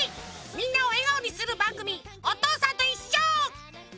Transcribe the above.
みんなをえがおにするばんぐみ「おとうさんといっしょ」！